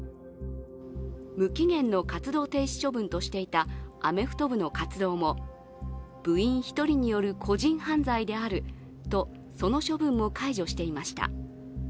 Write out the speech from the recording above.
無期限の活動停止処分としていたアメフト部の活動も部員１人による個人犯罪であるとその処分も解除していました。